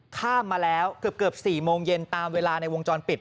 ข้ามมาแล้วเกือบ๔โมงเย็นตามเวลาในวงจรปิด